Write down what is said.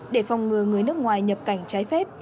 để phòng ngừa người nước ngoài nhập cảnh trái phép